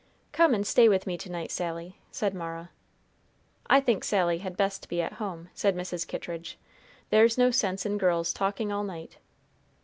"Come and stay with me to night, Sally," said Mara. "I think Sally had best be at home," said Mrs. Kittridge. "There's no sense in girls talking all night."